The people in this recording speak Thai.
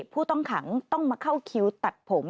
ผู้ต้องขังต้องมาเข้าคิวตัดผม